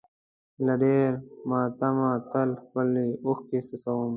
له ډېر ماتمه تل خپلې اوښکې څښم.